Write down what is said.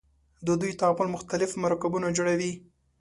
د دوی تعامل مختلف مرکبونه جوړوي.